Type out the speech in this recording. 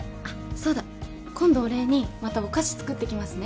そうだ今度お礼にまたお菓子作ってきますね